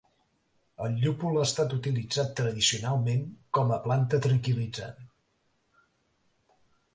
El llúpol ha estat utilitzat tradicionalment com a planta tranquil·litzant.